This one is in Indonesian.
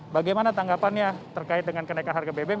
bagaimana tanggapannya terkait dengan kenaikan harga bbm